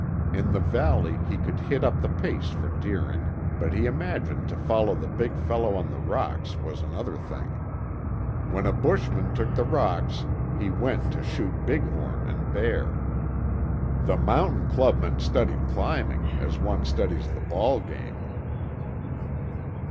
In the valley, he could hit up the pace for Deering, but he imagined to follow the big fellow on the rocks was another thing. When a bushman took the rocks he went to shoot big horn and bear. The mountain clubmen studied climbing as one studies the ball game.